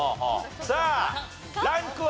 さあランクは？